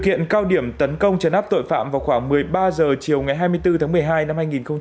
kiện cao điểm tấn công chấn áp tội phạm vào khoảng một mươi ba h chiều ngày hai mươi bốn tháng một mươi hai năm hai nghìn hai mươi ba